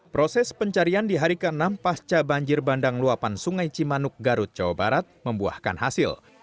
proses pencarian di hari ke enam pasca banjir bandang luapan sungai cimanuk garut jawa barat membuahkan hasil